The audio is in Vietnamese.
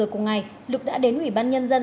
cùng ngày lực đã đến ủy ban nhân dân